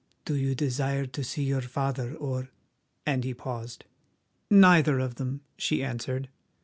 "Do you desire to see your father or—" and he paused. "Neither of them," she answered.